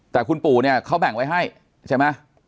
แต่คุณปู่เนี่ยเขาแบ่งไว้ให้ใช่ไหม